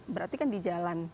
berarti kan di jalan